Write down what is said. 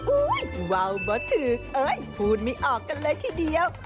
วาวบ่ถือเอ้ยพูดไม่ออกกันเลยทีเดียว